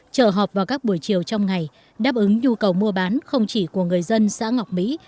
chợ họp vào các buổi chiều trong ngày đáp ứng nhu cầu mua bán không chỉ của người dân xã ngọc mỹ